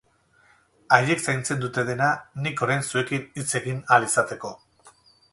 Haiek zaintzen dute dena nik orain zuekin hitz egin ahal izateko.